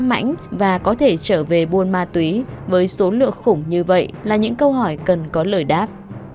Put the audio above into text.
mạnh và có thể trở về buôn ma túy với số lượng khủng như vậy là những câu hỏi cần có lời đáp